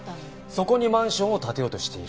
そこにマンションを建てようとしている。